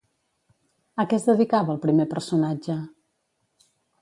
A què es dedicava el primer personatge?